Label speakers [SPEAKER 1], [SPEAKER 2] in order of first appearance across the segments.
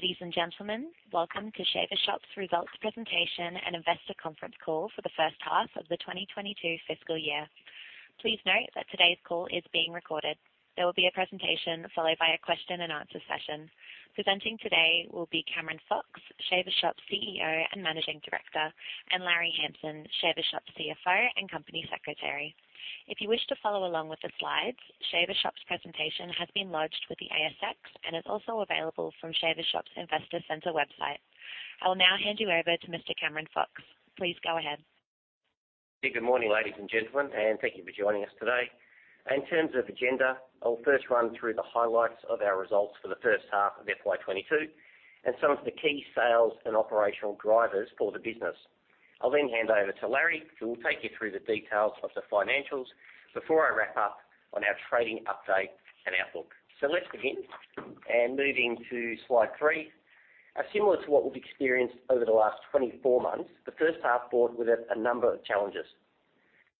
[SPEAKER 1] Ladies and gentlemen, welcome to Shaver Shop's Results Presentation and Investor Conference Call for the first half of the 2022 fiscal year. Please note that today's call is being recorded. There will be a presentation followed by a question-and-answer session. Presenting today will be Cameron Fox, Shaver Shop's CEO and Managing Director, and Larry Hamson, Shaver Shop's CFO and Company Secretary. If you wish to follow along with the slides, Shaver Shop's presentation has been lodged with the ASX and is also available from Shaver Shop's Investor Center website. I will now hand you over to Mr. Cameron Fox. Please go ahead.
[SPEAKER 2] Good morning, ladies and gentlemen, and thank you for joining us today. In terms of agenda, I'll first run through the highlights of our results for the first half of FY 2022 and some of the key sales and operational drivers for the business. I'll then hand over to Larry, who will take you through the details of the financials before I wrap up on our trading update and outlook. Let's begin. Moving to slide three. Similar to what we've experienced over the last 24 months, the first half brought with it a number of challenges.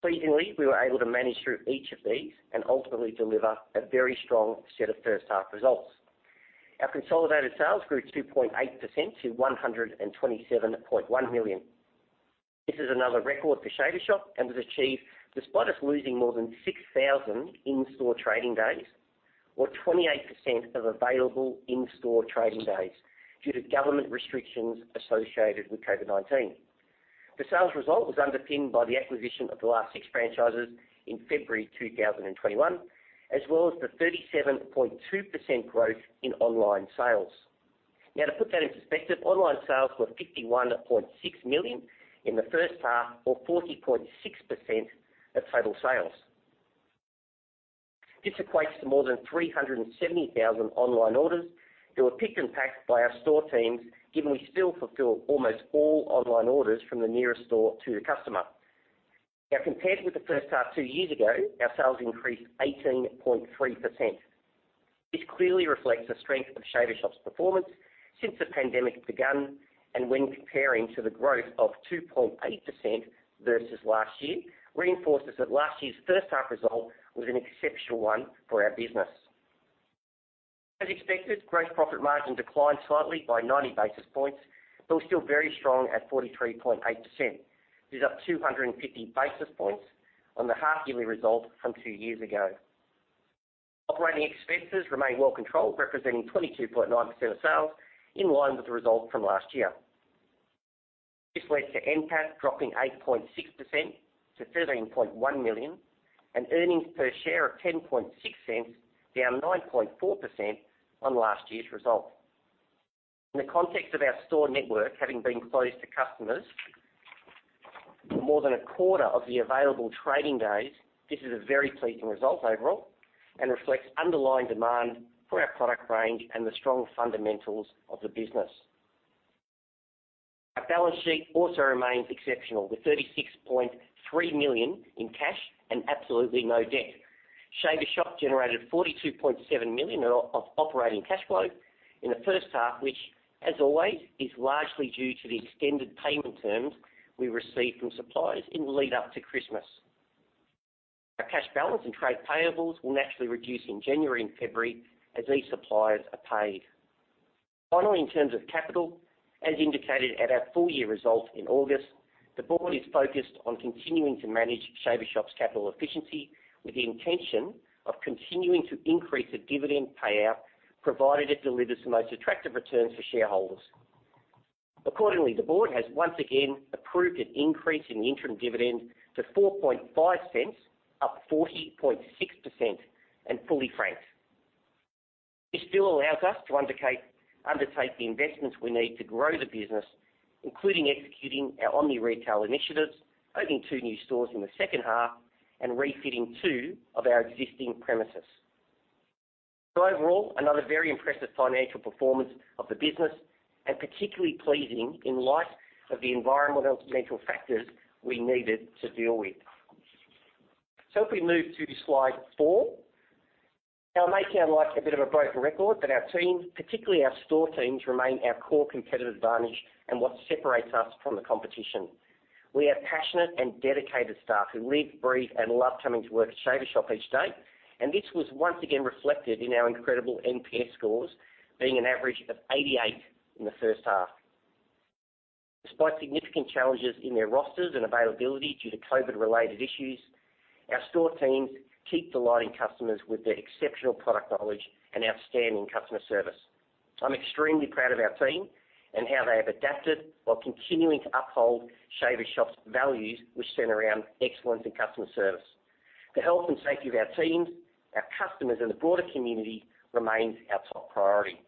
[SPEAKER 2] Pleasingly, we were able to manage through each of these and ultimately deliver a very strong set of first half results. Our consolidated sales grew 2.8% to 127.1 million. This is another record for Shaver Shop and was achieved despite us losing more than 6,000 in-store trading days or 28% of available in-store trading days due to government restrictions associated with COVID-19. The sales result was underpinned by the acquisition of the last six franchises in February 2021, as well as the 37.2% growth in online sales. Now, to put that into perspective, online sales were 51.6 million in the first half or 40.6% of total sales. This equates to more than 370,000 online orders that were picked and packed by our store teams, given we still fulfill almost all online orders from the nearest store to the customer. Now, compared with the first half two years ago, our sales increased 18.3%. This clearly reflects the strength of Shaver Shop's performance since the pandemic began, and when comparing to the growth of 2.8% versus last year, reinforces that last year's first half result was an exceptional one for our business. As expected, gross profit margin declined slightly by 90 basis points, but was still very strong at 43.8%. It is up 250 basis points on the half yearly result from two years ago. Operating expenses remain well controlled, representing 22.9% of sales in line with the result from last year. This led to NPAT dropping 8.6% to 13.1 million and earnings per share of 0.106, down 9.4% on last year's result. In the context of our store network having been closed to customers for more than a quarter of the available trading days, this is a very pleasing result overall and reflects underlying demand for our product range and the strong fundamentals of the business. Our balance sheet also remains exceptional, with 36.3 million in cash and absolutely no debt. Shaver Shop generated 42.7 million of operating cash flow in the first half, which, as always, is largely due to the extended payment terms we receive from suppliers in the lead up to Christmas. Our cash balance and trade payables will naturally reduce in January and February as these suppliers are paid. Finally, in terms of capital, as indicated at our full year results in August, the board is focused on continuing to manage Shaver Shop's capital efficiency with the intention of continuing to increase the dividend payout, provided it delivers the most attractive returns for shareholders. Accordingly, the board has once again approved an increase in the interim dividend to 0.045, up 40.6% and fully franked. This still allows us to undertake the investments we need to grow the business, including executing our omni-retail initiatives, opening two new stores in the second half, and refitting two of our existing premises. Overall, another very impressive financial performance of the business and particularly pleasing in light of the environmental factors we needed to deal with. If we move to slide 4. Now it may sound like a bit of a broken record, but our team, particularly our store teams, remain our core competitive advantage and what separates us from the competition. We have passionate and dedicated staff who live, breathe, and love coming to work at Shaver Shop each day, and this was once again reflected in our incredible NPS scores, being an average of 88 in the first half. Despite significant challenges in their rosters and availability due to COVID-related issues, our store teams keep delighting customers with their exceptional product knowledge and outstanding customer service. I'm extremely proud of our team and how they have adapted while continuing to uphold Shaver Shop's values, which center around excellence in customer service. The Health & Safety of our teams, our customers, and the broader community remains our top priority.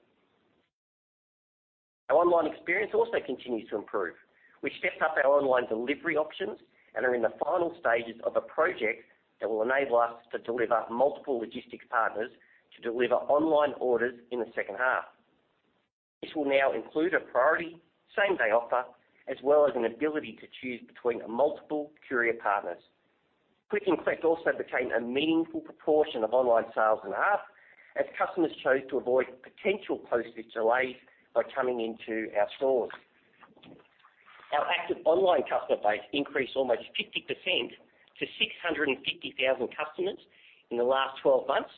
[SPEAKER 2] Our online experience also continues to improve. We stepped up our online delivery options and are in the final stages of a project that will enable us to deliver multiple logistics partners to deliver online orders in the second half. This will now include a priority same-day offer, as well as an ability to choose between multiple courier partners. Click and collect also became a meaningful proportion of online sales and app as customers chose to avoid potential postage delays by coming into our stores. Our online customer base increased almost 50% to 650,000 customers in the last 12 months.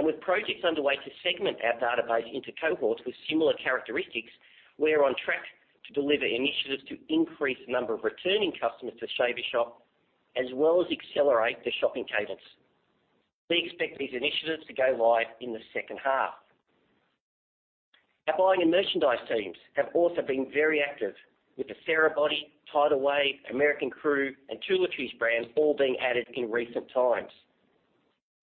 [SPEAKER 2] With projects underway to segment our database into cohorts with similar characteristics, we're on track to deliver initiatives to increase the number of returning customers to Shaver Shop, as well as accelerate their shopping cadence. We expect these initiatives to go live in the second half. Our buying and merchandise teams have also been very active with the Therabody, Tidal, American Crew, and Tooletries brands all being added in recent times.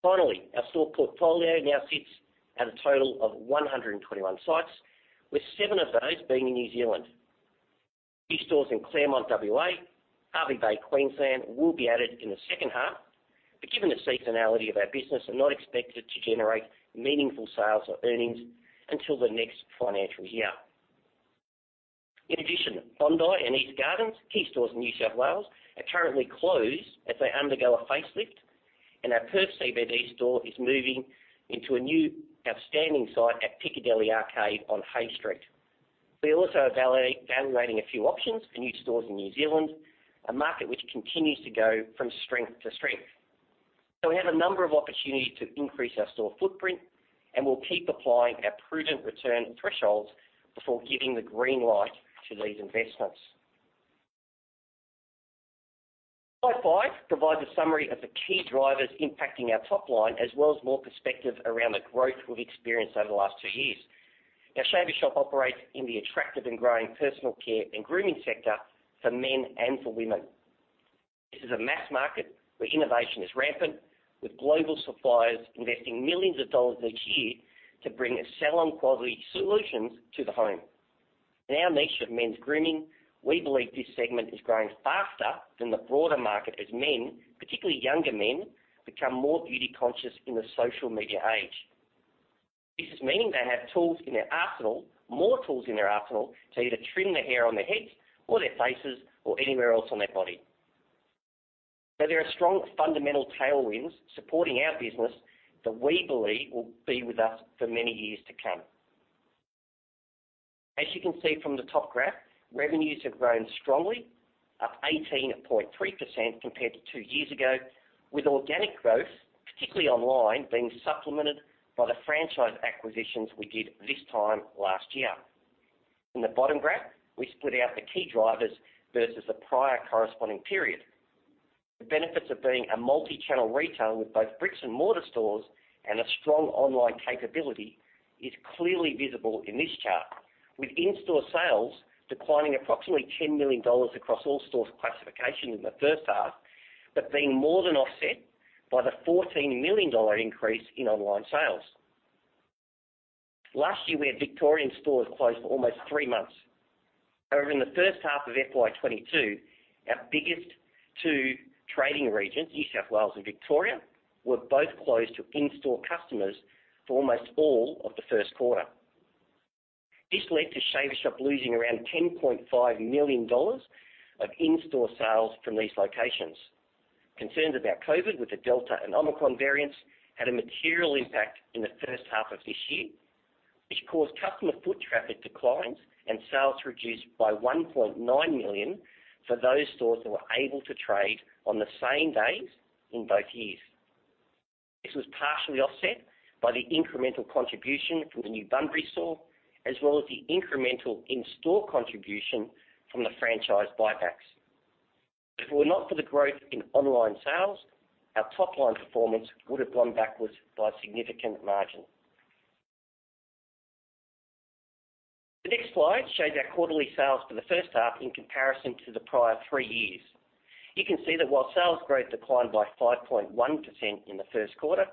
[SPEAKER 2] Finally, our store portfolio now sits at a total of 121 sites, with seven of those being in New Zealand. These stores in Claremont, WA, Hervey Bay, Queensland, will be added in the second half, but given the seasonality of our business, are not expected to generate meaningful sales or earnings until the next financial year. In addition, Bondi and Eastgardens, key stores in New South Wales, are currently closed as they undergo a facelift, and our Perth CBD store is moving into a new outstanding site at Piccadilly Arcade on Hay Street. We are also evaluating a few options for new stores in New Zealand, a market which continues to go from strength to strength. We have a number of opportunities to increase our store footprint, and we'll keep applying our prudent return thresholds before giving the green light to these investments. Slide 5 provides a summary of the key drivers impacting our top line as well as more perspective around the growth we've experienced over the last two years. Now, Shaver Shop operates in the attractive and growing personal care and grooming sector for men and for women. This is a mass market where innovation is rampant, with global suppliers investing millions dollars each year to bring salon-quality solutions to the home. In our niche of men's grooming, we believe this segment is growing faster than the broader market as men, particularly younger men, become more beauty conscious in the social media age. This means they have tools in their arsenal, more tools in their arsenal, to either trim the hair on their heads or their faces or anywhere else on their body. There are strong fundamental tailwinds supporting our business that we believe will be with us for many years to come. As you can see from the top graph, revenues have grown strongly, up 18.3% compared to two years ago, with organic growth, particularly online, being supplemented by the franchise acquisitions we did this time last year. In the bottom graph, we split out the key drivers versus the prior corresponding period. The benefits of being a multi-channel retailer with both bricks-and-mortar stores and a strong online capability is clearly visible in this chart, with in-store sales declining approximately 10 million dollars across all stores classification in the first half, but being more than offset by the 14 million dollar increase in online sales. Last year, we had Victorian stores closed for almost three months. However, in the first half of FY 2022, our biggest two trading regions, New South Wales and Victoria, were both closed to in-store customers for almost all of the first quarter. This led to Shaver Shop losing around 10.5 million dollars of in-store sales from these locations. Concerns about COVID-19 with the Delta and Omicron variants had a material impact in the first half of this year, which caused customer foot traffic declines and sales reduced by 1.9 million for those stores that were able to trade on the same days in both years. This was partially offset by the incremental contribution from the new Bunbury store as well as the incremental in-store contribution from the franchise buybacks. If it were not for the growth in online sales, our top-line performance would have gone backwards by a significant margin. The next slide shows our quarterly sales for the first half in comparison to the prior three years. You can see that while sales growth declined by 5.1% in the first quarter,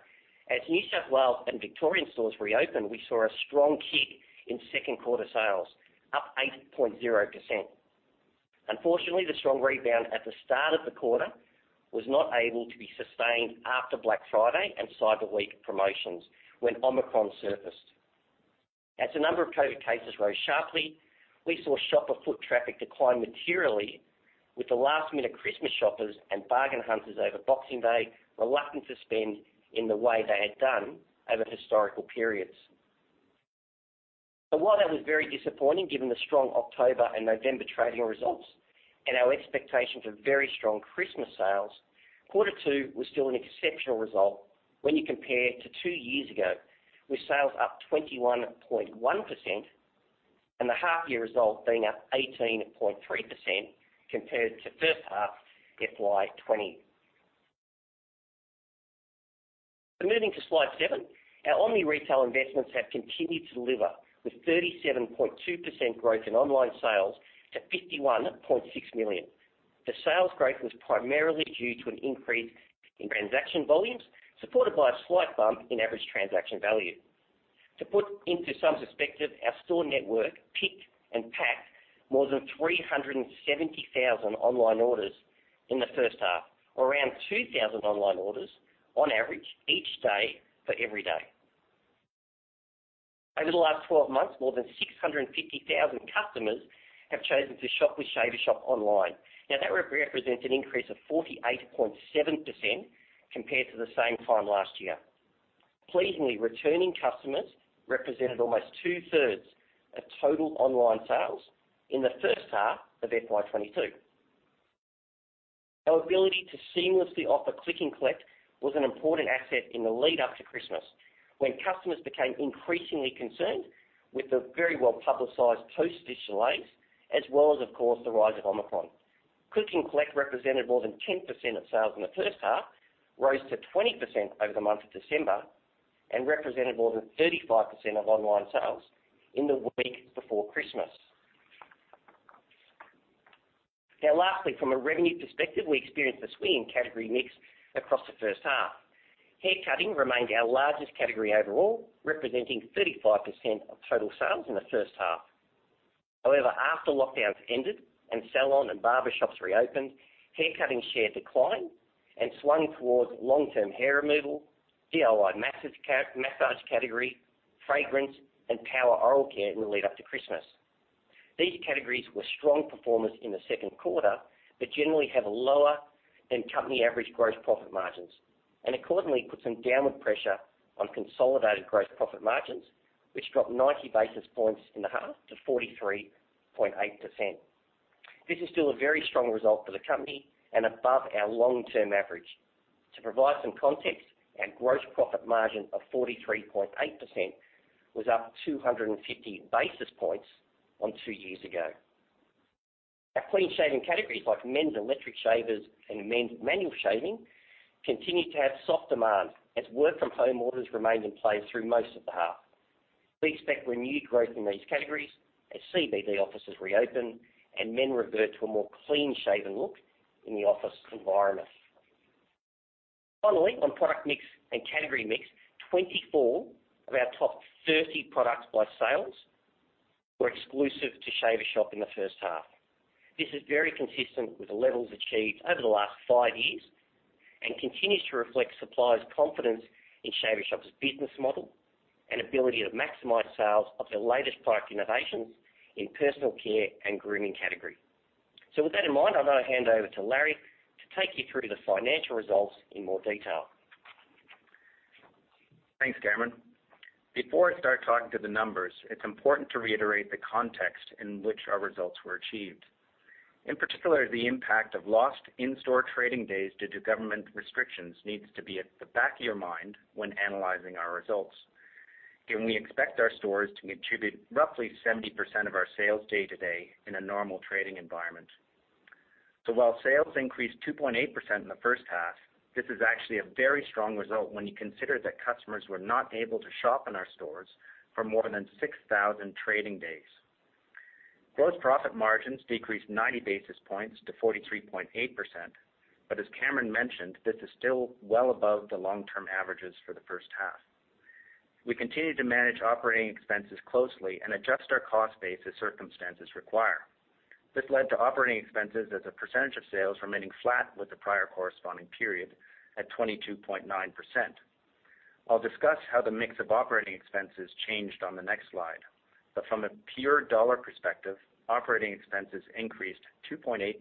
[SPEAKER 2] as New South Wales and Victorian stores reopened, we saw a strong kick in second quarter sales, up 8.0%. Unfortunately, the strong rebound at the start of the quarter was not able to be sustained after Black Friday and Cyber Week promotions when Omicron surfaced. As the number of COVID cases rose sharply, we saw shopper foot traffic decline materially with the last-minute Christmas shoppers and bargain hunters over Boxing Day reluctant to spend in the way they had done over historical periods. While that was very disappointing given the strong October and November trading results and our expectations of very strong Christmas sales, quarter two was still an exceptional result when you compare to two years ago, with sales up 21.1% and the half-year result being up 18.3% compared to first half FY 2020. Moving to slide seven. Our omni-retail investments have continued to deliver with 37.2% growth in online sales to 51.6 million. The sales growth was primarily due to an increase in transaction volumes, supported by a slight bump in average transaction value. To put into some perspective, our store network picked and packed more than 370,000 online orders in the first half, or around 2,000 online orders on average each day for every day. Over the last 12 months, more than 650,000 customers have chosen to shop with Shaver Shop online. Now, that represents an increase of 48.7% compared to the same time last year. Pleasingly, returning customers represented almost two-thirds of total online sales in the first half of FY 2022. Our ability to seamlessly offer click and collect was an important asset in the lead up to Christmas, when customers became increasingly concerned with the very well-publicized post as well as, of course, the rise of Omicron. Click and collect represented more than 10% of sales in the first half, rose to 20% over the month of December, and represented more than 35% of online sales in the week before Christmas. Now lastly, from a revenue perspective, we experienced a swing in category mix across the first half. Hair cutting remained our largest category overall, representing 35% of total sales in the first half. However, after lockdowns ended and salon and barber shops reopened, haircutting share declined and swung towards long-term hair removal, DIY massage category, fragrance, and power oral care in the lead up to Christmas. These categories were strong performers in the second quarter, but generally have lower than company average gross profit margins, and accordingly, put some downward pressure on consolidated gross profit margins, which dropped 90 basis points in the half to 43.8%. This is still a very strong result for the company and above our long-term average. To provide some context, our gross profit margin of 43.8% was up 250 basis points on two years ago. Our clean shaving categories, like men's Electric shavers and men's manual shaving, continued to have soft demand as work from home orders remained in place through most of the half. We expect renewed growth in these categories as CBD offices reopen and men revert to a more clean-shaven look in the office environment. Finally, on product mix and category mix, 24 of our top 30 products by sales were exclusive to Shaver Shop in the first half. This is very consistent with the levels achieved over the last five years and continues to reflect suppliers' confidence in Shaver Shop's business model and ability to maximize sales of their latest product innovations in personal care and grooming category. With that in mind, I'm gonna hand over to Larry to take you through the financial results in more detail.
[SPEAKER 3] Thanks, Cameron. Before I start talking to the numbers, it's important to reiterate the context in which our results were achieved. In particular, the impact of lost in-store trading days due to government restrictions needs to be at the back of your mind when analyzing our results, given we expect our stores to contribute roughly 70% of our sales day-to-day in a normal trading environment. While sales increased 2.8% in the first half, this is actually a very strong result when you consider that customers were not able to shop in our stores for more than 6,000 trading days. Gross profit margins decreased 90 basis points to 43.8%. As Cameron mentioned, this is still well above the long-term averages for the first half. We continued to manage operating expenses closely and adjust our cost base as circumstances require. This led to operating expenses as a percentage of sales remaining flat with the prior corresponding period at 22.9%. I'll discuss how the mix of operating expenses changed on the next slide. From a pure dollar perspective, operating expenses increased 2.8%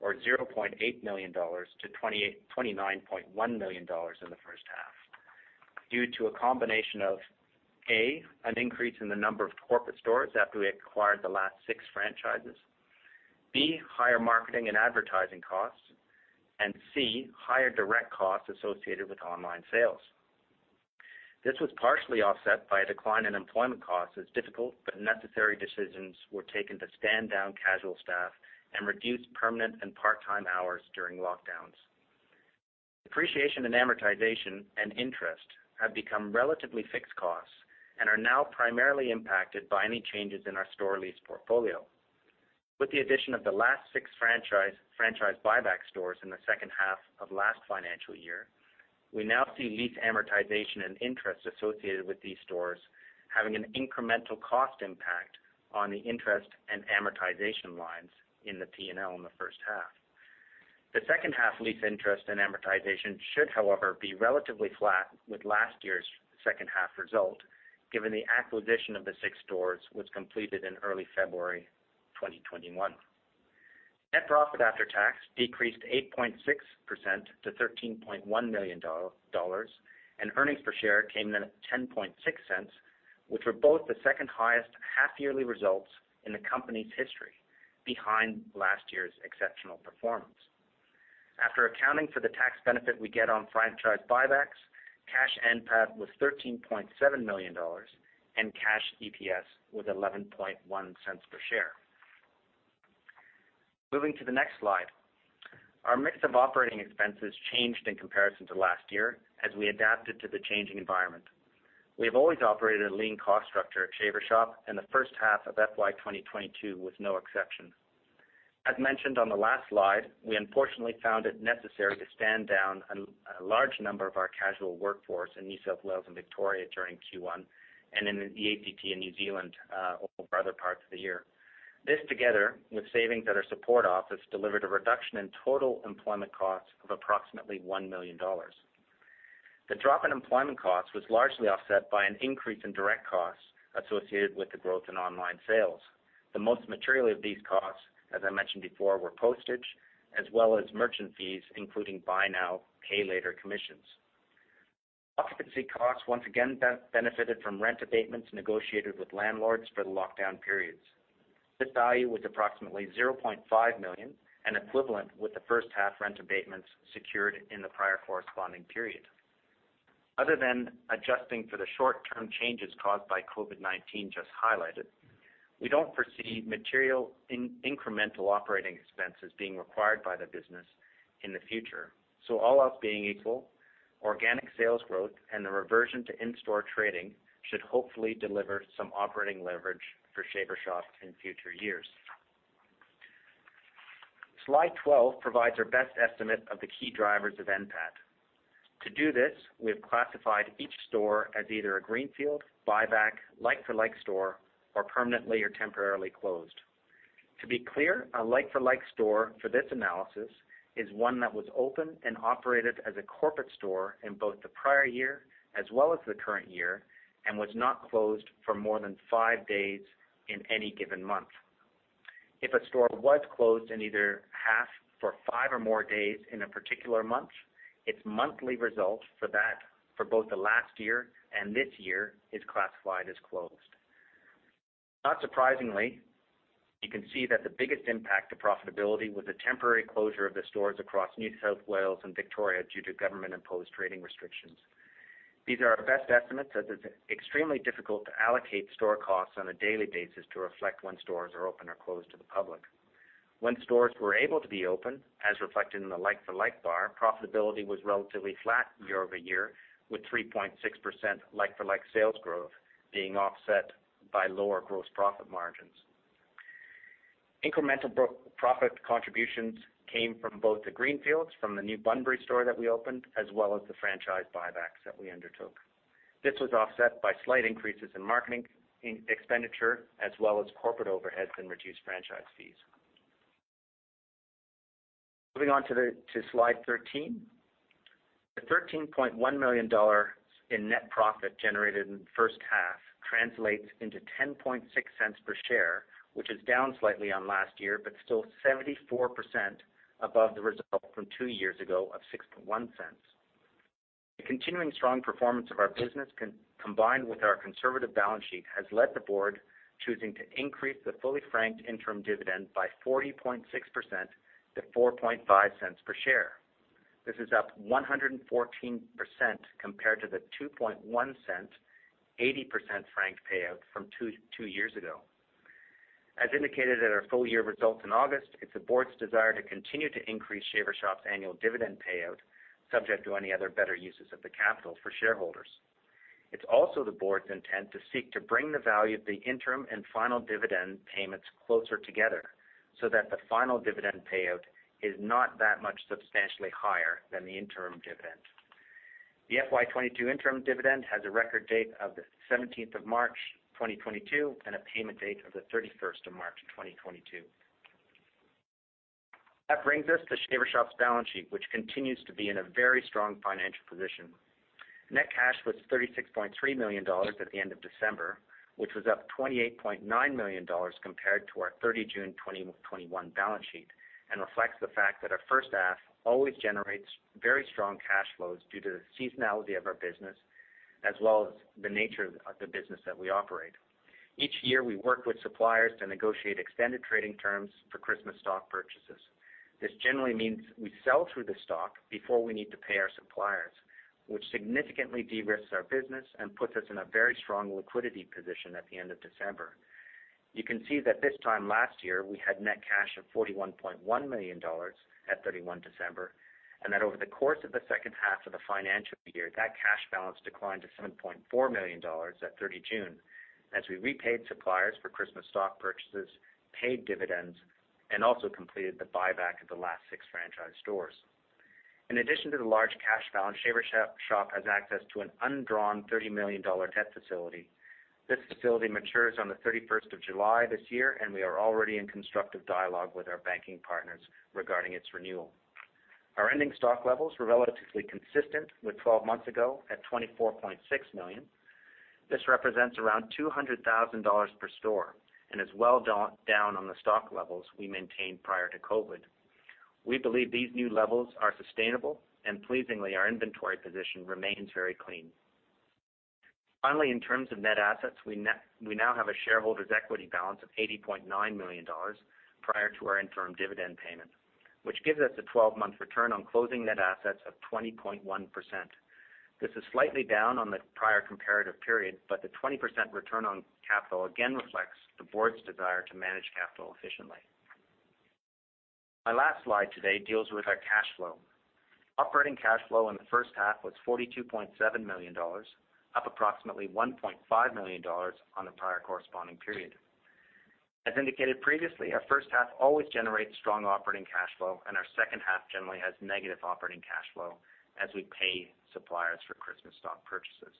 [SPEAKER 3] or 0.8 million dollars to 29.1 million dollars in the first half due to a combination of, A, an increase in the number of corporate stores after we acquired the last six franchises, B, higher marketing and advertising costs, and C, higher direct costs associated with online sales. This was partially offset by a decline in employment costs as difficult but necessary decisions were taken to stand down casual staff and reduce permanent and part-time hours during lockdowns. Depreciation and amortization and interest have become relatively fixed costs and are now primarily impacted by any changes in our store lease portfolio. With the addition of the last six franchise buyback stores in the second half of last financial year, we now see lease amortization and interest associated with these stores having an incremental cost impact on the interest and amortization lines in the P&L in the first half. The second half lease interest and amortization should, however, be relatively flat with last year's second half result, given the acquisition of the six stores was completed in early February 2021. Net profit after tax decreased 8.6% to 13.1 million dollars, and earnings per share came in at 0.106, which were both the second highest half-yearly results in the company's history, behind last year's exceptional performance. After accounting for the tax benefit we get on franchise buybacks, cash NPAT was 13.7 million dollars and cash EPS was 0.111 per share. Moving to the next slide. Our mix of operating expenses changed in comparison to last year as we adapted to the changing environment. We have always operated a lean cost structure at Shaver Shop, and the first half of FY 2022 was no exception. As mentioned on the last slide, we unfortunately found it necessary to stand down a large number of our casual workforce in New South Wales and Victoria during Q1, and in the ACT and New Zealand over other parts of the year. This, together with savings at our support office, delivered a reduction in total employment costs of approximately 1 million dollars. The drop in employment costs was largely offset by an increase in direct costs associated with the growth in online sales. The most material of these costs, as I mentioned before, were postage as well as merchant fees, including buy now, pay later commissions. Occupancy costs once again benefited from rent abatements negotiated with landlords for the lockdown periods. This value was approximately 0.5 million and equivalent with the first half rent abatements secured in the prior corresponding period. Other than adjusting for the short-term changes caused by COVID-19 just highlighted, we don't foresee material incremental operating expenses being required by the business in the future. All else being equal, organic sales growth and the reversion to in-store trading should hopefully deliver some operating leverage for Shaver Shop in future years. Slide 12 provides our best estimate of the key drivers of NPAT. To do this, we have classified each store as either a greenfield, buyback, like-for-like store, or permanently or temporarily closed. To be clear, a like-for-like store for this analysis is one that was open and operated as a corporate store in both the prior year as well as the current year, and was not closed for more than five days in any given month. If a store was closed in either half for five or more days in a particular month, its monthly results for that, for both the last year and this year is classified as closed. Not surprisingly, you can see that the biggest impact to profitability was the temporary closure of the stores across New South Wales and Victoria due to government-imposed trading restrictions. These are our best estimates, as it's extremely difficult to allocate store costs on a daily basis to reflect when stores are open or closed to the public. When stores were able to be open, as reflected in the like-for-like bar, profitability was relatively flat year-over-year, with 3.6% like-for-like sales growth being offset by lower gross profit margins. Incremental gross-profit contributions came from both the greenfields, from the new Bunbury store that we opened, as well as the franchise buybacks that we undertook. This was offset by slight increases in marketing expenditure, as well as corporate overheads and reduced franchise fees. Moving on to slide 13. The 13.1 million dollars in net profit generated in the first half translates into 0.106 per share, which is down slightly on last year, but still 74% above the result from two years ago of 6.1 cents. The continuing strong performance of our business combined with our conservative balance sheet has led the Board choosing to increase the fully franked interim dividend by 40.6% to 0.045 per share. This is up 114% compared to the 0.021, 80% franked payout from two years ago. As indicated at our full year results in August, it's the Board's desire to continue to increase Shaver Shop's annual dividend payout, subject to any other better uses of the capital for shareholders. It's also the Board's intent to seek to bring the value of the interim and final dividend payments closer together, so that the final dividend payout is not that much substantially higher than the interim dividend. The FY 2022 interim dividend has a record date of the 17th of March 2022, and a payment date of the 31st of March 2022. That brings us to Shaver Shop's balance sheet, which continues to be in a very strong financial position. Net cash was 36.3 million dollars at the end of December, which was up 28.9 million dollars compared to our 30 June 2021 balance sheet, and reflects the fact that our first half always generates very strong cash flows due to the seasonality of our business, as well as the nature of the business that we operate. Each year, we work with suppliers to negotiate extended trading terms for Christmas stock purchases. This generally means we sell through the stock before we need to pay our suppliers, which significantly de-risks our business and puts us in a very strong liquidity position at the end of December. You can see that this time last year, we had net cash of 41.1 million dollars at 31 December, and that over the course of the second half of the financial year, that cash balance declined to 7.4 million dollars at 30 June as we repaid suppliers for Christmas stock purchases, paid dividends, and also completed the buyback of the last six franchise stores. In addition to the large cash balance, Shaver Shop Group has access to an undrawn 30 million dollar debt facility. This facility matures on the 31st of July this year, and we are already in constructive dialogue with our banking partners regarding its renewal. Our ending stock levels were relatively consistent with 12 months ago at 24.6 million. This represents around 200,000 dollars per store and is well down on the stock levels we maintained prior to COVID. We believe these new levels are sustainable and pleasingly, our inventory position remains very clean. Finally, in terms of net assets, we now have a shareholder's equity balance of 80.9 million dollars prior to our interim dividend payment, which gives us a 12-month return on closing net assets of 20.1%. This is slightly down on the prior comparative period, but the 20% return on capital again reflects the Board's desire to manage capital efficiently. My last slide today deals with our cash flow. Operating cash flow in the first half was 42.7 million dollars, up approximately 1.5 million dollars on the prior corresponding period. As indicated previously, our first half always generates strong operating cash flow, and our second half generally has negative operating cash flow as we pay suppliers for Christmas stock purchases.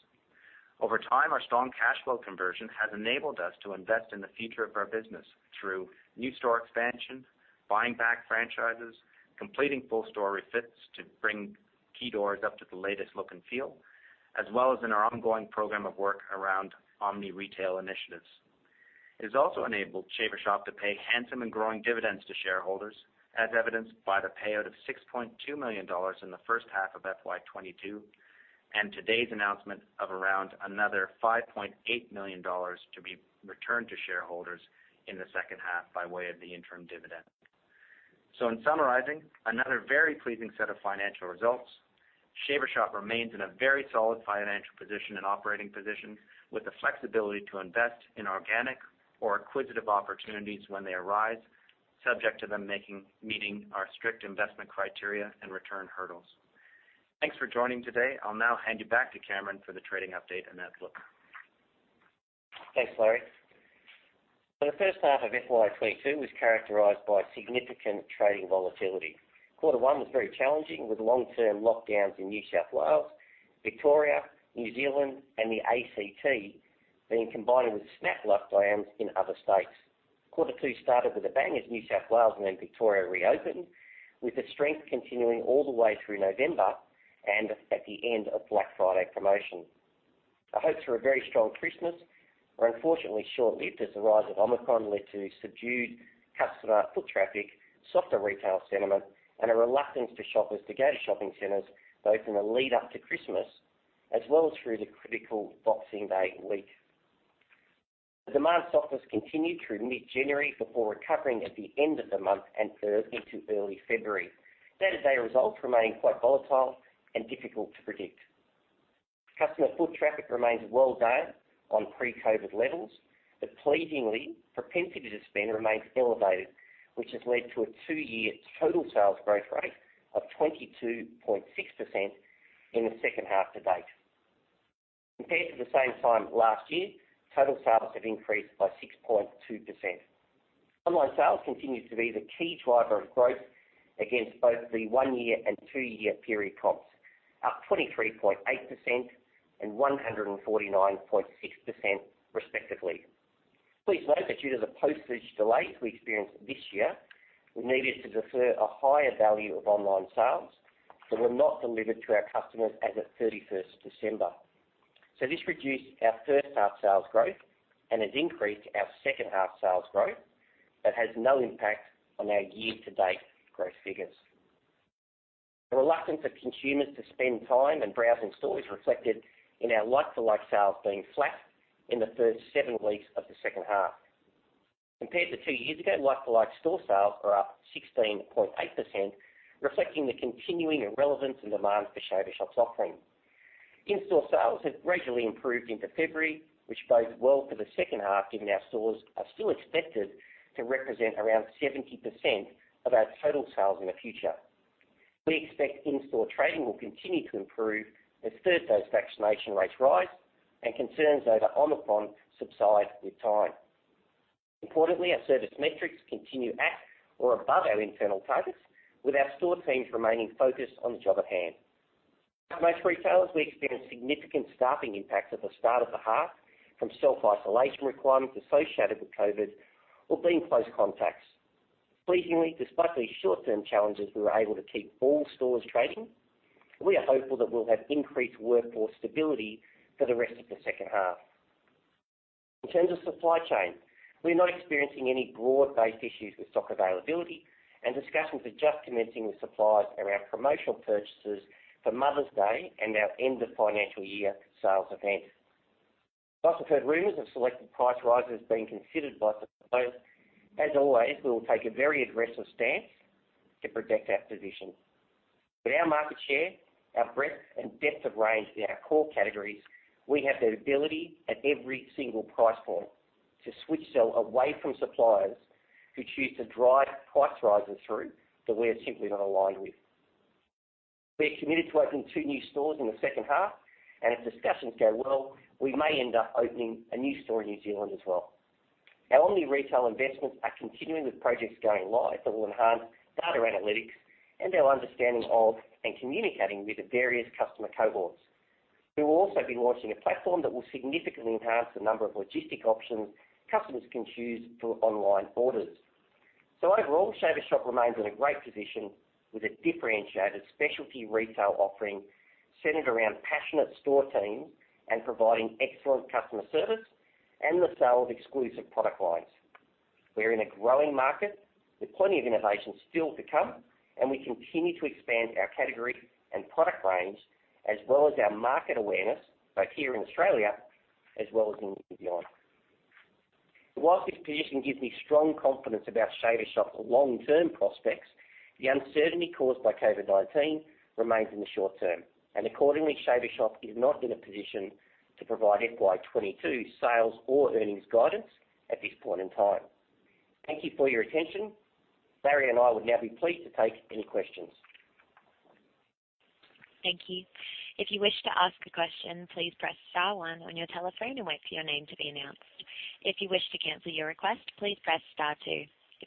[SPEAKER 3] Over time, our strong cash flow conversion has enabled us to invest in the future of our business through new store expansion, buying back franchises, completing full store refits to bring key doors up to the latest look and feel, as well as in our ongoing program of work around omni-retail initiatives. It has also enabled Shaver Shop to pay handsome and growing dividends to shareholders, as evidenced by the payout of 6.2 million dollars in the first half of FY 2022, and today's announcement of around another 5.8 million dollars to be returned to shareholders in the second half by way of the interim dividend. In summarizing, another very pleasing set of financial results. Shaver Shop remains in a very solid financial position and operating position, with the flexibility to invest in organic or acquisitive opportunities when they arise, subject to them meeting our strict investment criteria and return hurdles. Thanks for joining today. I'll now hand you back to Cameron for the trading update and outlook.
[SPEAKER 2] Thanks, Larry. The first half of FY 2022 was characterized by significant trading volatility. Quarter one was very challenging, with long-term lockdowns in New South Wales, Victoria, New Zealand, and the ACT being combined with snap lockdowns in other states. Quarter two started with a bang as New South Wales and then Victoria reopened, with the strength continuing all the way through November and at the end of Black Friday promotion. The hopes for a very strong Christmas were unfortunately short-lived as the rise of Omicron led to subdued customer foot traffic, softer retail sentiment, and a reluctance of shoppers to go to shopping centers, both in the lead up to Christmas as well as through the critical Boxing Day week. The demand softness continued through mid-January before recovering at the end of the month and through into early February. Sales data results remained quite volatile and difficult to predict. Customer foot traffic remains well down on pre-COVID levels, but pleasingly, propensity to spend remains elevated, which has led to a two-year total sales growth rate of 22.6% in the second half to date. Compared to the same time last year, total sales have increased by 6.2%. Online sales continues to be the key driver of growth against both the one-year and two-year period comps, up 23.8% and 149.6% respectively. Please note that due to the postage delays we experienced this year, we needed to defer a higher value of online sales that were not delivered to our customers as at 31 December. This reduced our first-half sales growth and has increased our second-half sales growth, but has no impact on our year-to-date growth figures. The reluctance of consumers to spend time and browse in stores reflected in our like-for-like sales being flat in the first seven weeks of the second half. Compared to two years ago, like-for-like store sales are up 16.8%, reflecting the continuing relevance and demand for Shaver Shop's offering. In-store sales have gradually improved into February, which bodes well for the second half, given our stores are still expected to represent around 70% of our total sales in the future. We expect in-store trading will continue to improve as third dose vaccination rates rise and concerns over Omicron subside with time. Importantly, our service metrics continue at or above our internal targets, with our store teams remaining focused on the job at hand. Like most retailers, we experienced significant staffing impacts at the start of the half from self-isolation requirements associated with COVID or being close contacts. Pleasingly, despite these short-term challenges, we were able to keep all stores trading. We are hopeful that we'll have increased workforce stability for the rest of the second half. In terms of supply chain, we're not experiencing any broad-based issues with stock availability, and discussions are just commencing with suppliers around promotional purchases for Mother's Day and our end of financial year sales event. We also heard rumors of selected price rises being considered by suppliers. As always, we will take a very aggressive stance to protect our position. With our market share, our breadth and depth of range in our core categories, we have the ability at every single price point to switch sell away from suppliers who choose to drive price rises through that we are simply not aligned with. We're committed to opening two new stores in the second half, and if discussions go well, we may end up opening a new store in New Zealand as well. Our omni retail investments are continuing with projects going live that will enhance data analytics and our understanding of, and communicating with the various customer cohorts. We will also be launching a platform that will significantly enhance the number of logistics options customers can choose for online orders. Overall, Shaver Shop remains in a great position with a differentiated specialty retail offering centered around passionate store teams and providing excellent customer service and the sale of exclusive product lines. We're in a growing market with plenty of innovation still to come, and we continue to expand our category and product range as well as our market awareness, both here in Australia as well as beyond. While this position gives me strong confidence about Shaver Shop's long-term prospects, the uncertainty caused by COVID-19 remains in the short term, and accordingly, Shaver Shop is not in a position to provide FY 2022 sales or earnings guidance at this point in time. Thank you for your attention. Larry and I would now be pleased to take any questions.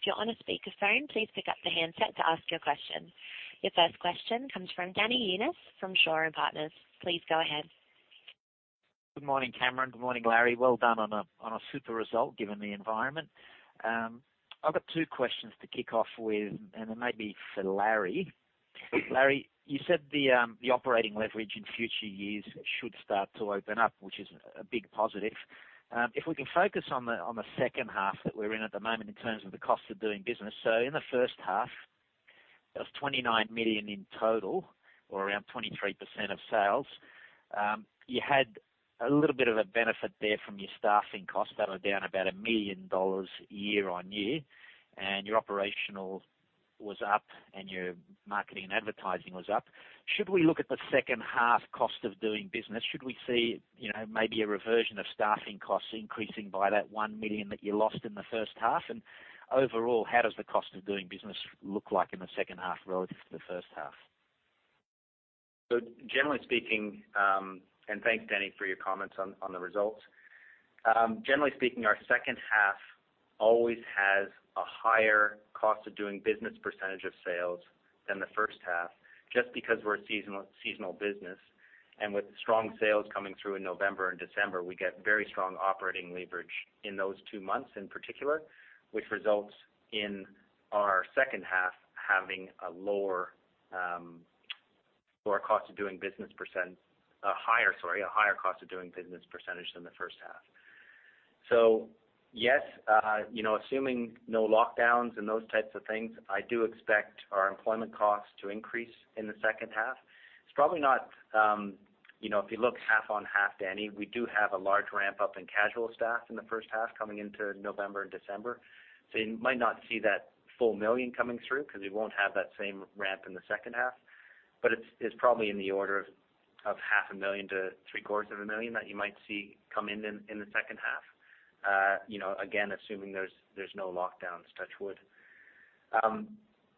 [SPEAKER 1] Your first question comes from Danny Younis from Shaw and Partners. Please go ahead.
[SPEAKER 4] Good morning, Cameron. Good morning, Larry. Well done on a super result given the environment. I've got two questions to kick off with, and they may be for Larry. Larry, you said the operating leverage in future years should start to open up, which is a big positive. If we can focus on the second half that we're in at the moment in terms of the cost of doing business. In the first half, it was 29 million in total or around 23% of sales. You had a little bit of a benefit there from your staffing costs that are down about 1 million dollars year-on-year, and your operational was up and your marketing and advertising was up. Should we look at the second half cost of doing business? Should we see, you know, maybe a reversion of staffing costs increasing by that 1 million that you lost in the first half? Overall, how does the cost of doing business look like in the second half relative to the first half?
[SPEAKER 3] Generally speaking, thanks Danny, for your comments on the results. Generally speaking, our second half always has a higher cost of doing business percentage of sales than the first half, just because we're a seasonal business. With strong sales coming through in November and December, we get very strong operating leverage in those two months in particular, which results in our second half having a higher cost of doing business percentage than the first half. Yes, you know, assuming no lockdowns and those types of things, I do expect our employment costs to increase in the second half. It's probably not, you know, if you look half on half, Danny, we do have a large ramp up in casual staff in the first half coming into November and December. You might not see that full 1 million coming through because we won't have that same ramp in the second half. It's probably in the order of AUD half a million-AUD three-quarters of a million that you might see come in in the second half. You know, again, assuming there's no lockdowns, touch wood.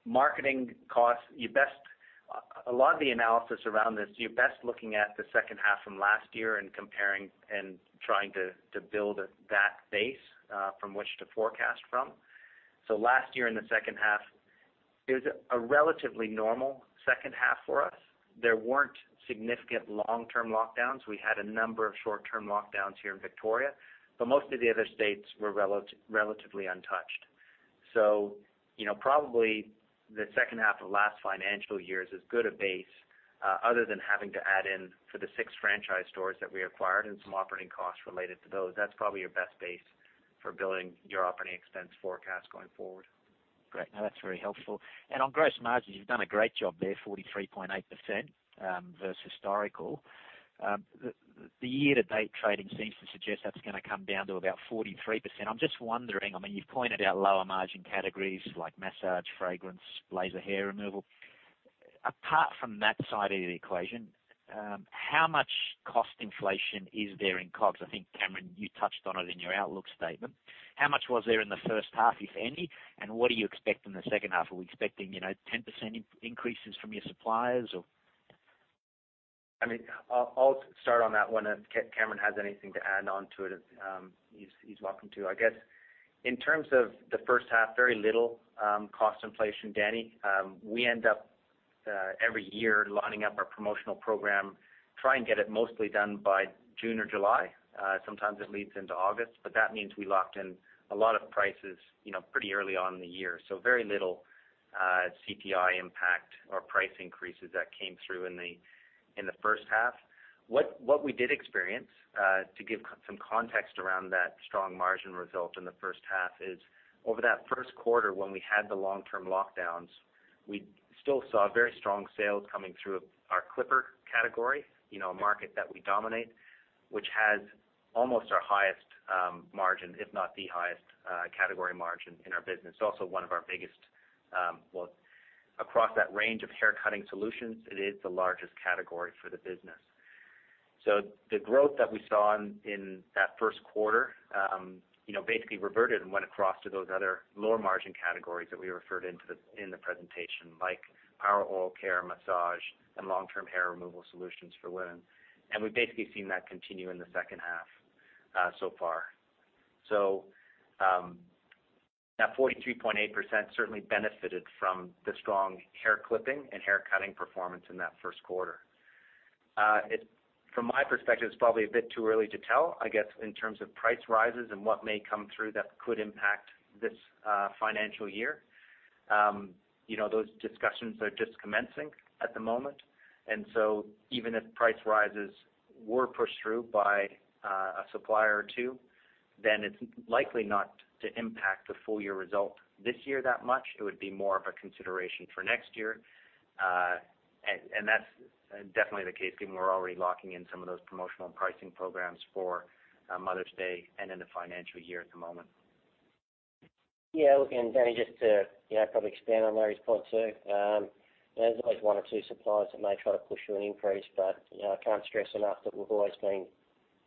[SPEAKER 3] Marketing costs, a lot of the analysis around this, you're best looking at the second half from last year and comparing and trying to build that base from which to forecast from. Last year in the second half is a relatively normal second half for us. There weren't significant long-term lockdowns. We had a number of short-term lockdowns here in Victoria, but most of the other states were relatively untouched. You know, probably the second half of last financial year is as good a base, other than having to add in for the six franchise stores that we acquired and some operating costs related to those. That's probably your best base for building your operating expense forecast going forward.
[SPEAKER 4] Great. No, that's very helpful. On gross margins, you've done a great job there, 43.8%, versus historical. The year-to-date trading seems to suggest that's gonna come down to about 43%. I'm just wondering, I mean, you've pointed out lower margin categories like massage, fragrance, laser hair removal. Apart from that side of the equation, how much cost inflation is there in COGS? I think, Cameron, you touched on it in your outlook statement. How much was there in the first half, if any, and what do you expect in the second half? Are we expecting, you know, 10% increases from your suppliers or?
[SPEAKER 3] I mean, I'll start on that one, and if Cameron has anything to add on to it, he's welcome to. I guess in terms of the first half, very little cost inflation, Danny. We end up every year lining up our promotional program, try and get it mostly done by June or July. Sometimes it leads into August, but that means we locked in a lot of prices, you know, pretty early on in the year. Very little CPI impact or price increases that came through in the first half. What we did experience, to give some context around that strong margin result in the first half is over that first quarter, when we had the long-term lockdowns, we still saw very strong sales coming through our clipper category, you know, a market that we dominate, which has almost our highest margin, if not the highest, category margin in our business. Also one of our biggest, well, across that range of hair cutting solutions, it is the largest category for the business. The growth that we saw in that first quarter, you know, basically reverted and went across to those other lower margin categories that we referred to in the presentation, like our oral care, massage, and long-term hair removal solutions for women. We've basically seen that continue in the second half, so far. That 43.8% certainly benefited from the strong hair clipping and hair cutting performance in that first quarter. From my perspective, it's probably a bit too early to tell, I guess, in terms of price rises and what may come through that could impact this financial year. You know, those discussions are just commencing at the moment, and even if price rises were pushed through by a supplier or two, then it's likely not to impact the full year result this year that much. It would be more of a consideration for next year. That's definitely the case given we're already locking in some of those promotional and pricing programs for Mother's Day and in the financial year at the moment.
[SPEAKER 2] Yeah. Look, Danny, just to, you know, probably expand on Larry's point, too. There's always one or two suppliers that may try to push through an increase, but, you know, I can't stress enough that we've always been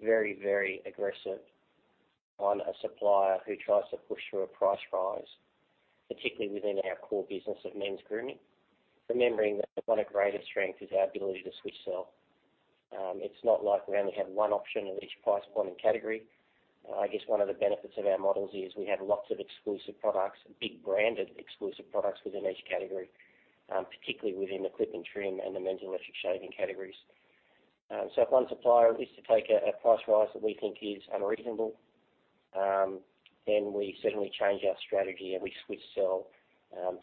[SPEAKER 2] very, very aggressive on a supplier who tries to push through a price rise, particularly within our core business of men's grooming. Remembering that one of our greatest strengths is our ability to switch suppliers. It's not like we only have one option at each price point and category. I guess one of the benefits of our models is we have lots of exclusive products, big branded exclusive products within each category, particularly within the clip and trim and the men's electric shaving categories. If one supplier is to take a price rise that we think is unreasonable, then we certainly change our strategy, and we switch sell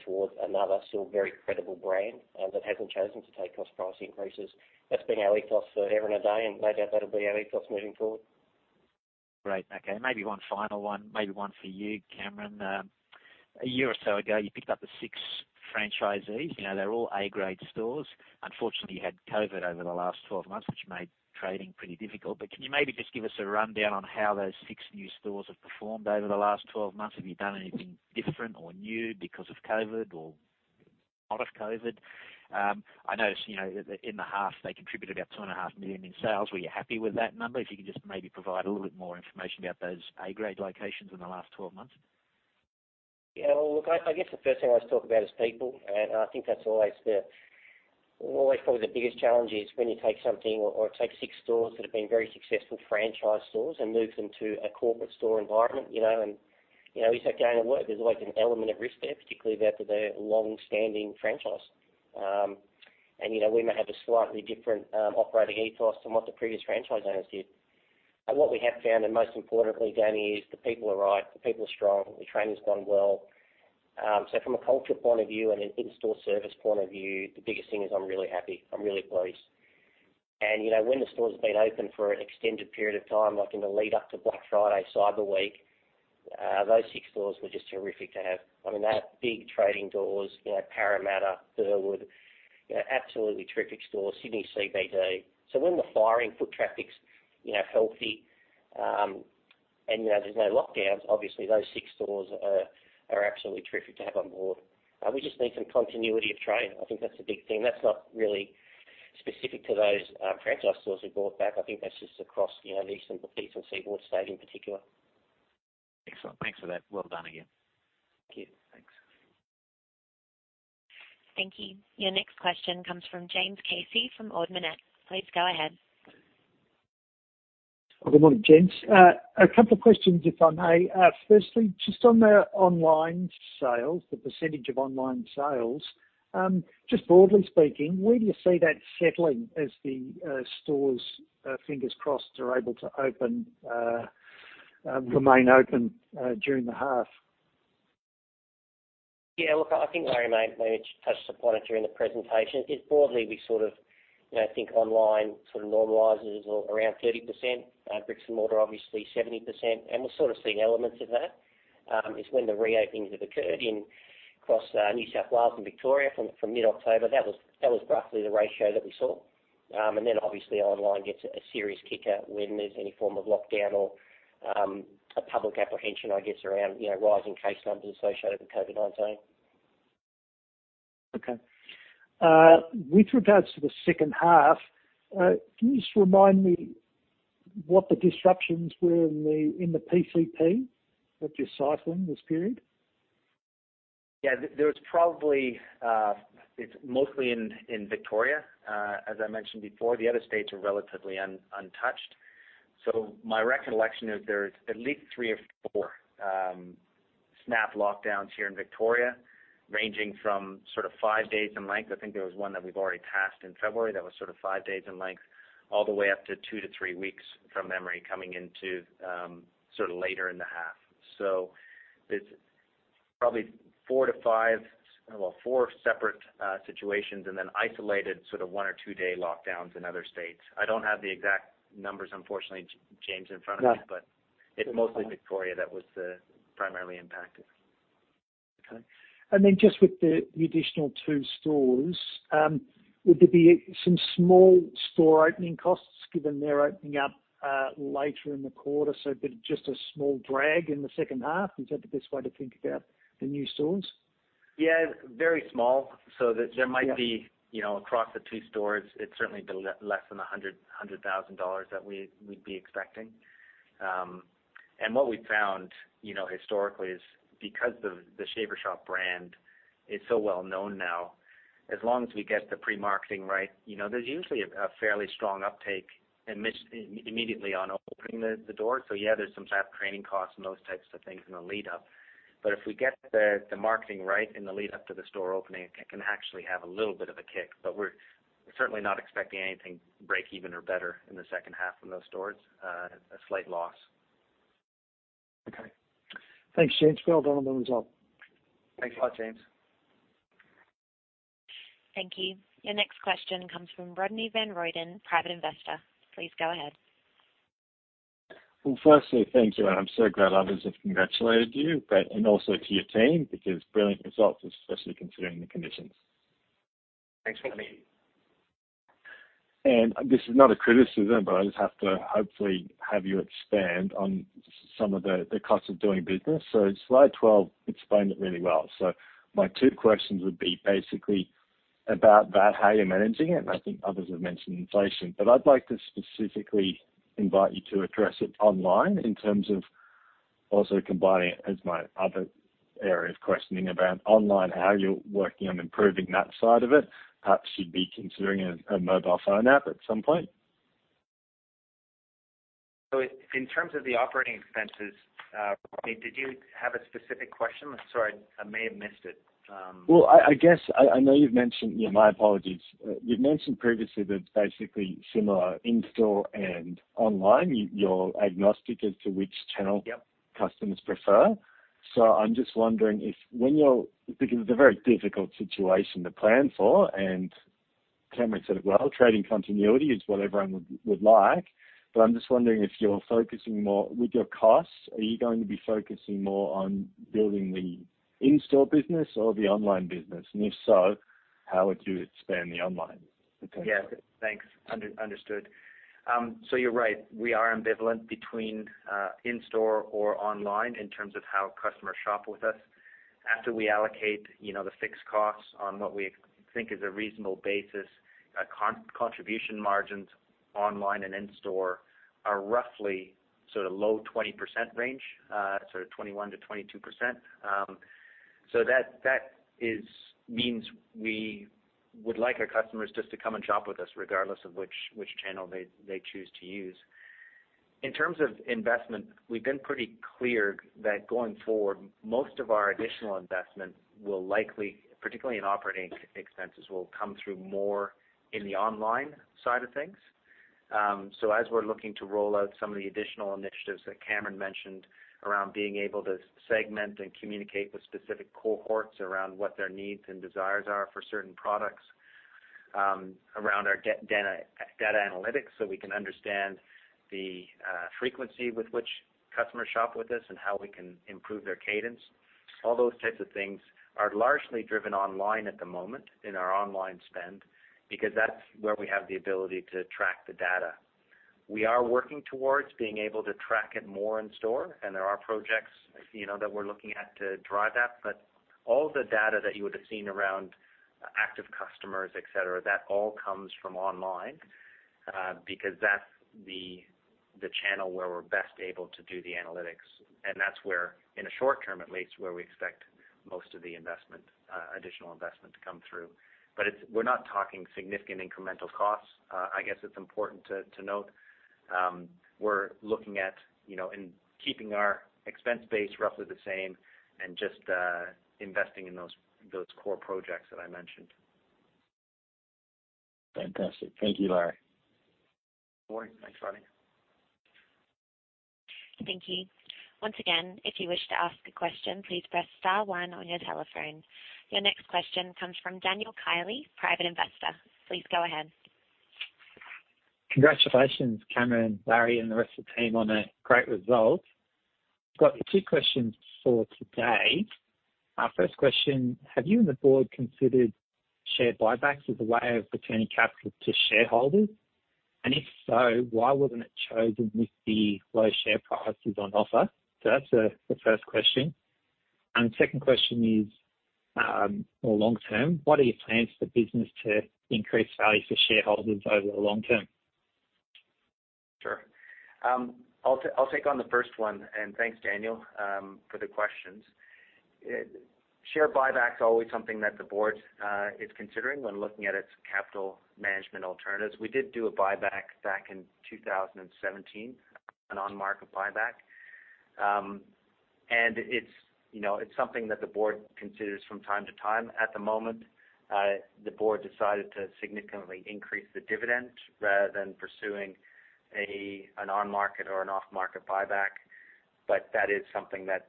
[SPEAKER 2] toward another still very credible brand that hasn't chosen to take cost price increases. That's been our ethos for ever and a day, and no doubt that'll be our ethos moving forward.
[SPEAKER 4] Great. Okay. Maybe one final one, maybe one for you, Cameron. A year or so ago, you picked up the six franchisees, you know, they're all A-grade stores. Unfortunately, you had COVID over the last 12 months, which made trading pretty difficult. Can you maybe just give us a rundown on how those six new stores have performed over the last 12 months? Have you done anything different or new because of COVID or not of COVID? I noticed, you know, that in the half, they contributed about 2.5 million in sales. Were you happy with that number? If you could just maybe provide a little bit more information about those A-grade locations in the last 12 months.
[SPEAKER 2] Yeah. Look, I guess the first thing I always talk about is people. I think that's always probably the biggest challenge is when you take something or take six stores that have been very successful franchise stores and move them to a corporate store environment, you know. You know, it's that pain of work. There's always an element of risk there, particularly if they're a long-standing franchise. You know, we may have a slightly different operating ethos than what the previous franchise owners did. What we have found, and most importantly, Danny, is the people are right, the people are strong, the training's gone well. From a culture point of view and an in-store service point of view, the biggest thing is I'm really happy. I'm really pleased. You know, when the stores have been open for an extended period of time, like in the lead up to Black Friday, Cyber Week, those six stores were just terrific to have. I mean, they have big trading doors, you know, Parramatta, Burwood, you know, absolutely terrific stores, Sydney CBD. When the foot traffic's firing, you know, healthy, and, you know, there's no lockdowns, obviously those six stores are absolutely terrific to have on board. We just need some continuity of trade. I think that's the big thing. That's not really specific to those franchise stores we bought back. I think that's just across, you know, New South Wales, Queensland and seaboard states in particular.
[SPEAKER 4] Excellent. Thanks for that. Well done again.
[SPEAKER 2] Thank you.
[SPEAKER 4] Thanks.
[SPEAKER 1] Thank you. Your next question comes from James Casey from Ord Minnett. Please go ahead.
[SPEAKER 5] Good morning, gents. A couple of questions, if I may. Firstly, just on the online sales, the percentage of online sales, just broadly speaking, where do you see that settling as the stores, fingers crossed, are able to open, remain open during the half?
[SPEAKER 2] Yeah, look, I think Larry may have touched upon it during the presentation. Broadly we sort of, you know, think online sort of normalizes or around 30%, bricks and mortar, obviously 70%. We're sort of seeing elements of that. When the reopenings have occurred across New South Wales and Victoria from mid-October, that was roughly the ratio that we saw. Then obviously online gets a serious kick out when there's any form of lockdown or a public apprehension, I guess, around, you know, rising case numbers associated with COVID-19.
[SPEAKER 5] Okay. With regards to the second half, can you just remind me what the disruptions were in the PCP that you're cycling this period?
[SPEAKER 3] It's mostly in Victoria. As I mentioned before, the other states are relatively untouched. My recollection is there's at least three or four snap lockdowns here in Victoria, ranging from sort of five days in length. I think there was one that we've already passed in February that was sort of five days in length, all the way up to two to three weeks from memory coming into sort of later in the half. There's probably four to five. Well, four separate situations and then isolated sort of one or two day lockdowns in other states. I don't have the exact numbers, unfortunately, James in front of me.
[SPEAKER 5] No.
[SPEAKER 3] It's mostly Victoria that was primarily impacted.
[SPEAKER 5] Okay. Just with the additional 2 stores, would there be some small store opening costs given they're opening up later in the quarter? A bit of just a small drag in the second half. Is that the best way to think about the new stores?
[SPEAKER 3] Yeah. Very small. There might be.
[SPEAKER 5] Yeah.
[SPEAKER 3] You know, across the two stores, it's certainly less than 100,000 dollars that we'd be expecting. What we've found, you know, historically is because the Shaver Shop brand is so well known now, as long as we get the pre-marketing right, you know, there's usually a fairly strong uptake immediately on opening the door. Yeah, there's some staff training costs and those types of things in the lead up. If we get the marketing right in the lead up to the store opening, it can actually have a little bit of a kick. We're certainly not expecting anything break even or better in the second half from those stores, a slight loss.
[SPEAKER 5] Okay. Thanks, James. Well done on the result.
[SPEAKER 3] Thanks a lot, James.
[SPEAKER 1] Thank you. Your next question comes from Rodney Van Rooyen, Private Investor. Please go ahead.
[SPEAKER 6] Well, firstly, thank you, and I'm so glad others have congratulated you, and also to your team, because brilliant results, especially considering the conditions.
[SPEAKER 3] Thanks, Rodney.
[SPEAKER 6] This is not a criticism, but I just have to hopefully have you expand on some of the costs of doing business. Slide 12 explained it really well. My two questions would be basically about that, how you're managing it, and I think others have mentioned inflation. I'd like to specifically invite you to address it online in terms of also combining it as my other area of questioning about online, how you're working on improving that side of it. Perhaps you'd be considering a mobile phone app at some point?
[SPEAKER 3] In terms of the operating expenses, I mean, did you have a specific question? I'm sorry, I may have missed it.
[SPEAKER 6] Well, I guess I know you've mentioned. Yeah, my apologies. You've mentioned previously that it's basically similar in-store and online, your agnostic as to which channel.
[SPEAKER 3] Yep.
[SPEAKER 6] Customers prefer. I'm just wondering because it's a very difficult situation to plan for, and Cameron said it well, trading continuity is what everyone would like. I'm just wondering if you're focusing more with your costs, are you going to be focusing more on building the in-store business or the online business? If so, how would you expand the online potential?
[SPEAKER 3] Yeah. Thanks. Understood. You're right, we are ambivalent between in-store or online in terms of how customers shop with us. After we allocate, you know, the fixed costs on what we think is a reasonable basis, contribution margins online and in-store are roughly sort of low 20% range, sort of 21%-22%. That means we would like our customers just to come and shop with us regardless of which channel they choose to use. In terms of investment, we've been pretty clear that going forward, most of our additional investments will likely, particularly in operating expenses, come through more in the online side of things. As we're looking to roll out some of the additional initiatives that Cameron mentioned around being able to segment and communicate with specific cohorts around what their needs and desires are for certain products, around our data analytics, so we can understand the frequency with which customers shop with us and how we can improve their cadence. All those types of things are largely driven online at the moment in our online spend because that's where we have the ability to track the data. We are working towards being able to track it more in store, and there are projects, you know, that we're looking at to drive that. All the data that you would have seen around active customers, et cetera, that all comes from online, because that's the channel where we're best able to do the analytics. That's where, in the short term at least, where we expect most of the investment, additional investment to come through. We're not talking significant incremental costs. I guess it's important to note. We're looking at, you know, in keeping our expense base roughly the same and just investing in those core projects that I mentioned.
[SPEAKER 6] Fantastic. Thank you, Larry.
[SPEAKER 3] Morning. Thanks, Ronnie.
[SPEAKER 1] Thank you. Once again, if you wish to ask a question, please press star one on your telephone. Your next question comes from Daniel Kiely, Private Investor. Please go ahead.
[SPEAKER 7] Congratulations, Cameron, Larry, and the rest of the team on a great result. Got two questions for today. First question, have you and the board considered share buybacks as a way of returning capital to shareholders? If so, why wasn't it chosen with the low share prices on offer? That's the first question. Second question is more long term, what are your plans for business to increase value for shareholders over the long term?
[SPEAKER 3] Sure. I'll take on the first one, and thanks, Daniel, for the questions. Share buyback's always something that the board is considering when looking at its capital management alternatives. We did do a buyback back in 2017, an on-market buyback. It's, you know, it's something that the board considers from time to time. At the moment, the board decided to significantly increase the dividend rather than pursuing an on-market or an off-market buyback. That is something that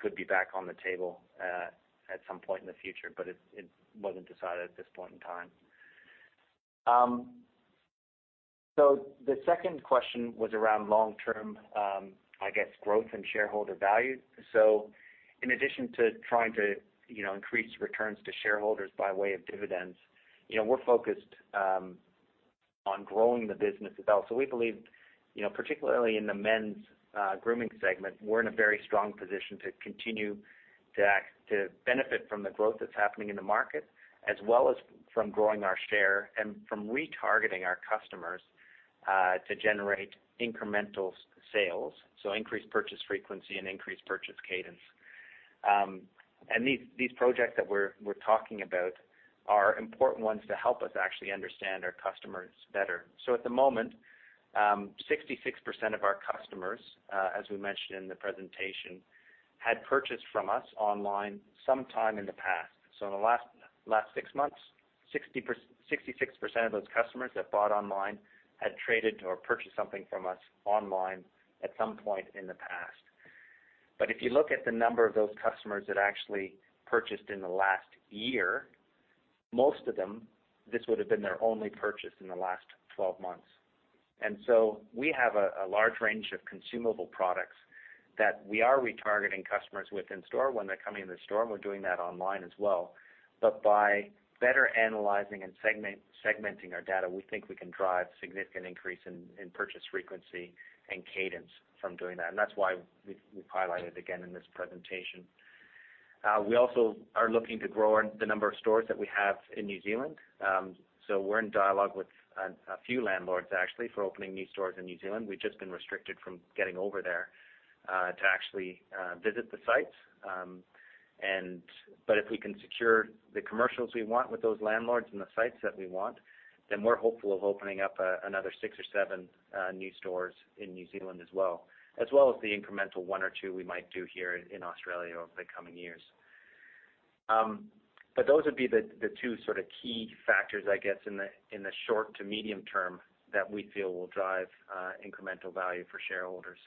[SPEAKER 3] could be back on the table at some point in the future, but it wasn't decided at this point in time. The second question was around long-term, I guess, growth and shareholder value. In addition to trying to, you know, increase returns to shareholders by way of dividends, you know, we're focused on growing the business as well. We believe, you know, particularly in the men's grooming segment, we're in a very strong position to continue to benefit from the growth that's happening in the market, as well as from growing our share and from retargeting our customers to generate incremental sales, so increased purchase frequency and increased purchase cadence. These projects that we're talking about are important ones to help us actually understand our customers better. At the moment, 66% of our customers, as we mentioned in the presentation, had purchased from us online sometime in the past. In the last six months, 66% of those customers that bought online had traded or purchased something from us online at some point in the past. If you look at the number of those customers that actually purchased in the last year, most of them, this would have been their only purchase in the last 12 months. We have a large range of consumable products that we are retargeting customers with in store when they're coming in the store, and we're doing that online as well. By better analyzing and segmenting our data, we think we can drive significant increase in purchase frequency and cadence from doing that. That's why we've highlighted again in this presentation. We also are looking to grow the number of stores that we have in New Zealand. We're in dialogue with a few landlords, actually, for opening new stores in New Zealand. We've just been restricted from getting over there to actually visit the sites. If we can secure the commercials we want with those landlords and the sites that we want, then we're hopeful of opening up another six or seven new stores in New Zealand as well. As well as the incremental one or two we might do here in Australia over the coming years. Those would be the two sort of key factors, I guess, in the short to medium term that we feel will drive incremental value for shareholders.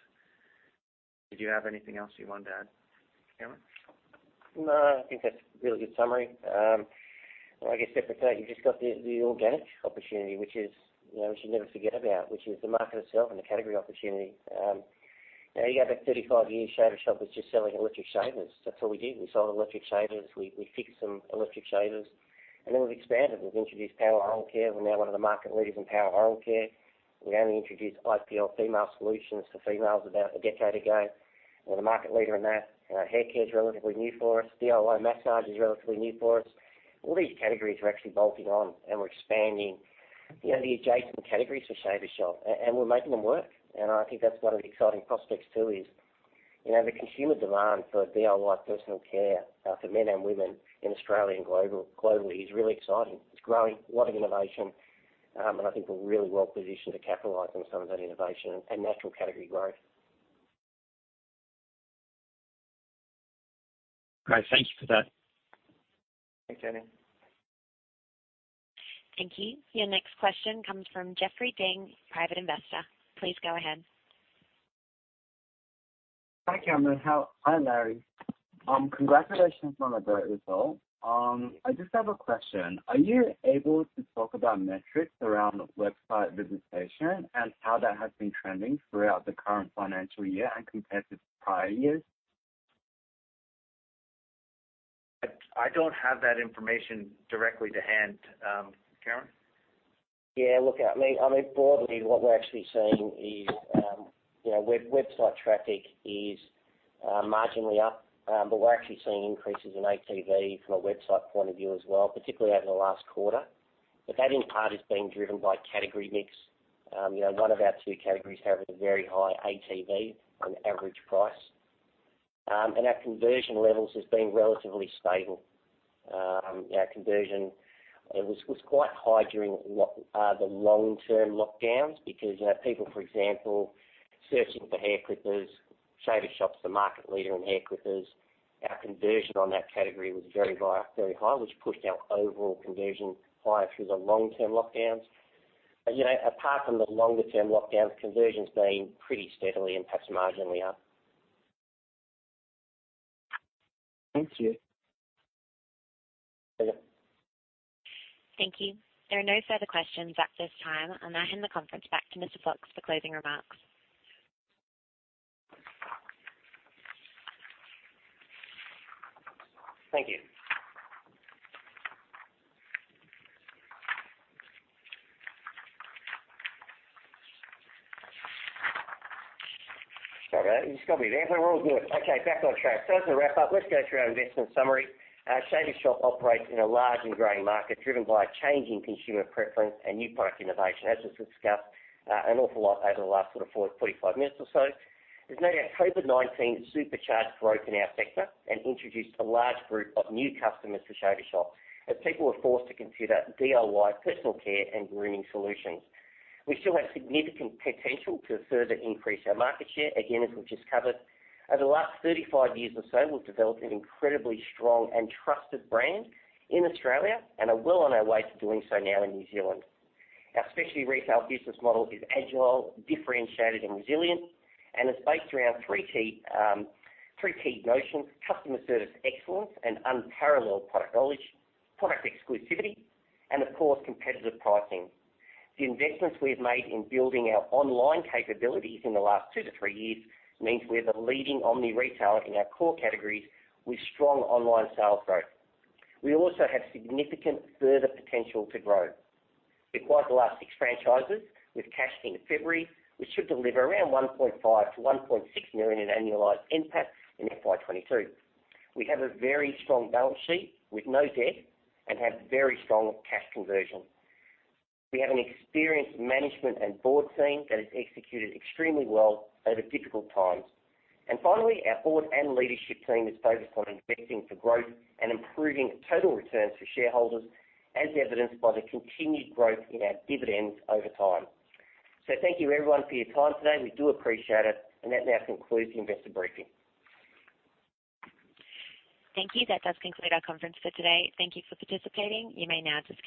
[SPEAKER 3] Did you have anything else you wanted to add, Cameron?
[SPEAKER 2] No, I think that's a really good summary. I guess separately, you've just got the organic opportunity, which is, you know, we should never forget about, which is the market itself and the category opportunity. You know, you go back 35 years, Shaver Shop was just selling Electric shavers. That's all we did. We sold Electric shavers. We fixed some Electric shavers. We've expanded. We've introduced power oral care. We're now one of the market leaders in power oral care. We only introduced IPL female solutions for females about a decade ago. We're the market leader in that. You know, hair care is relatively new for us. DIY massage is relatively new for us. All these categories we're actually bolting on, and we're expanding, you know, the adjacent categories for Shaver Shop, and we're making them work. I think that's one of the exciting prospects, too, is, you know, the consumer demand for DIY personal care, for men and women in Australia and globally is really exciting. It's growing, a lot of innovation, and I think we're really well positioned to capitalize on some of that innovation and natural category growth. Great. Thank you for that. Thanks, Danny.
[SPEAKER 1] Thank you. Your next question comes from Jeffrey Ding, Private Investor. Please go ahead.
[SPEAKER 8] Hi, Cameron. Hi, Larry. Congratulations on the great result. I just have a question. Are you able to talk about metrics around website visitation and how that has been trending throughout the current financial year and compared to prior years?
[SPEAKER 3] I don't have that information directly to hand. Cameron?
[SPEAKER 2] Yeah, look, I mean, broadly, what we're actually seeing is, you know, website traffic is marginally up, but we're actually seeing increases in ATV from a website point of view as well, particularly over the last quarter. That in part is being driven by category mix. You know, one of our two categories have a very high ATV on average price. And our conversion levels has been relatively stable. Our conversion, it was quite high during the long-term lockdowns because people, for example, searching for hair clippers, Shaver Shop's the market leader in hair clippers. Our conversion on that category was very high, which pushed our overall conversion higher through the long-term lockdowns. You know, apart from the longer term lockdowns, conversion's been pretty steadily and perhaps marginally up.
[SPEAKER 8] Thank you.
[SPEAKER 2] See ya.
[SPEAKER 1] Thank you. There are no further questions at this time. I hand the conference back to Mr. Fox for closing remarks.
[SPEAKER 3] Thank you.
[SPEAKER 2] Sorry about it. You just got me there, but we're all good. Okay, back on track. As a wrap-up, let's go through our investment summary. Shaver Shop operates in a large and growing market driven by a change in consumer preference and new product innovation, as was discussed, an awful lot over the last sort of 45 minutes or so. There's no doubt COVID-19 supercharged growth in our sector and introduced a large group of new customers to Shaver Shop as people were forced to consider DIY personal care and grooming solutions. We still have significant potential to further increase our market share, again, as we've just covered. Over the last 35 years or so, we've developed an incredibly strong and trusted brand in Australia and are well on our way to doing so now in New Zealand. Our specialty retail business model is agile, differentiated, and resilient, and is based around three key notions: Customer Service Excellence, and Unparalleled Product Knowledge, Product Exclusivity, and of course, Competitive Pricing. The investments we have made in building our online capabilities in the last two to three years means we're the leading omni-retailer in our core categories with strong online sales growth. We also have significant further potential to grow. We acquired the last six franchises with cash in February, which should deliver around 1.5-1.6 million in annualized NPAT in FY 2022. We have a very strong balance sheet with no debt and have very strong cash conversion. We have an experienced management and board team that has executed extremely well over difficult times. Finally, our board and leadership team is focused on investing for growth and improving total returns for shareholders, as evidenced by the continued growth in our dividends over time. Thank you, everyone, for your time today. We do appreciate it. That now concludes the investor briefing.
[SPEAKER 1] Thank you. That does conclude our conference for today. Thank you for participating. You may now disconnect.